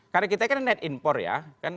karena kita kan net import ya